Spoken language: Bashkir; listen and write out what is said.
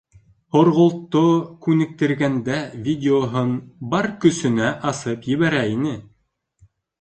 Һорғолтто күнектергәндә видеоһын бар көсөнә асып ебәрә ине.